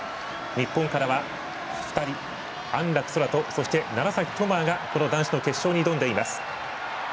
日本からは２人安楽宙斗、そして楢崎智亜がこの男子の決勝に挑んでいます。